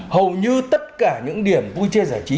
hầu như tất cả những điểm vui chơi giải trí